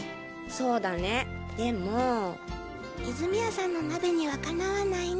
そうだねでも泉谷さんの鍋にはかなわないね。